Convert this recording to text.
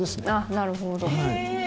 なるほど。